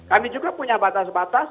kami juga punya batas batas